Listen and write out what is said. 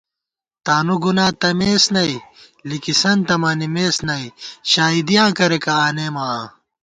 تانُو گُنا تمېس نئ، لِکِسنتہ منِمېس نئ، شائیدیاں کریَکہ آنېمہ آں